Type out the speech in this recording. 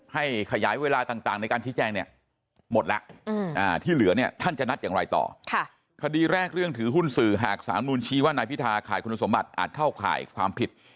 ขยายเวลาต่างในการชี้แจงเนี่ยหมดแล้วที่เหลือเนี่ยท่านจะนัดอย่างไรต่อคดีแรกเรื่องถือหุ้นสื่อหากสามนุนชี้ว่านายพิธาขาดคุณสมบัติอาจเข้าข่ายความผิด